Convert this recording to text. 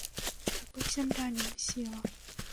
Каб іх зямля не насіла!